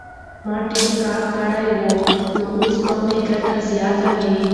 که ما ډېر کار کړی وای نو اوس به مې ګټه زیاته وه.